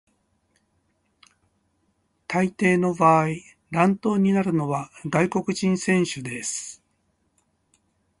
大抵の場合、乱闘になるのは外国人選手です。